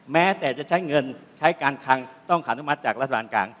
แม้แต่จะใช้เงินใช้การคังต้องขานุมัติจากรัฐบาลกลาง